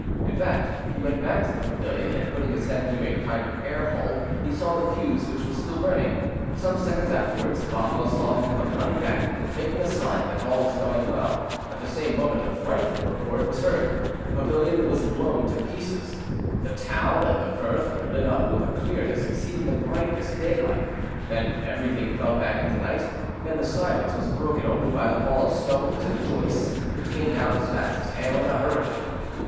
In fact, he went back to the pavilion, and, putting his head through a kind of air hole, he saw the fuse, which was still burning. Some seconds afterwards, Bothwell saw him come running back, making a sign that all was going well; at the same moment a frightful report was heard, the pavilion was blown to pieces, the town and the firth were lit up with a clearness exceeding the brightest daylight; then everything fell back into night, and the silence was broken only by the fall of stones and joists, which came down as fast as hail in a hurricane.